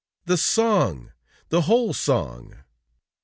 "The song, the whole song!"